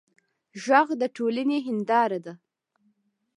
غږ د ټولنې هنداره ده